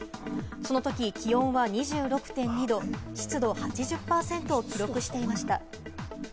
その時気温は２６．２度、湿度８０％を記録していました。